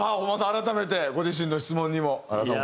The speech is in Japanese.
改めてご自身の質問にも原さん